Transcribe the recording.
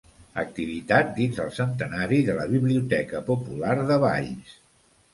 Activitat dins el centenari de la Biblioteca Popular de Valls.